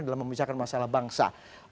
dalam membicarakan masalah bangsa